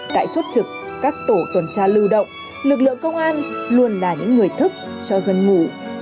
tại chốt trực các tổ tuần tra lưu động lực lượng công an luôn là những người thức cho dân ngủ